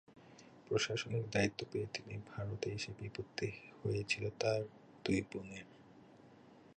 প্রশাসনিক দায়িত্ব পেয়ে তিনি ভারতে এসে বিপত্তি হয়েছিল তাঁর দুই বোনের।